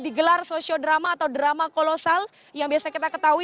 digelar sosiodrama atau drama kolosal yang biasa kita ketahui